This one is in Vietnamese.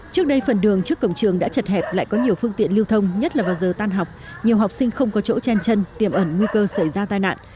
trước đây phần đường trước cổng trường đã chật hẹp lại có nhiều phương tiện lưu thông nhất là vào giờ tan học nhiều học sinh không có chỗ chen chân tiềm ẩn nguy cơ xảy ra tai nạn